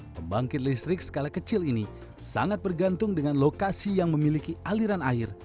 pembangkit listrik skala kecil ini sangat bergantung dengan lokasi yang memiliki aliran air